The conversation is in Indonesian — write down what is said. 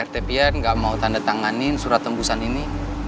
rtpn gak mau tandatanganin surat tembusan ini